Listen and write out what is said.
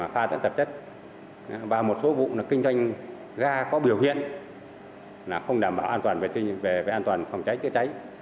pha tận tập chất và một số vụ kinh doanh ga có biểu hiện không đảm bảo an toàn phòng cháy chứa cháy